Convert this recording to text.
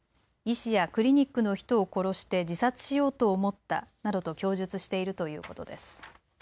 医師やクリニックの人を殺して自殺しようと思ったなどと供述しているということです。